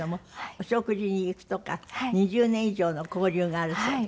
お食事に行くとか２０年以上の交流があるそうで。